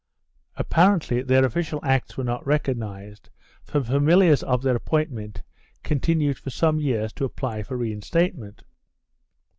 Apparently their official acts were not recognized, for familiars of their appointment continued for some years to apply for reinstatement.